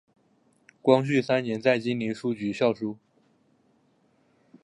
光绪三年在金陵书局校书。